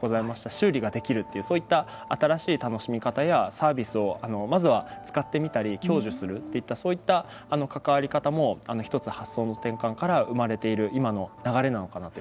修理ができるというそういった新しい楽しみ方やサービスをまずは使ってみたり享受するといったそういった関わり方も１つ発想の転換から生まれている今の流れなのかな